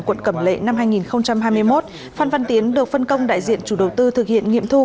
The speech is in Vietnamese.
quận cẩm lệ năm hai nghìn hai mươi một phan văn tiến được phân công đại diện chủ đầu tư thực hiện nghiệm thu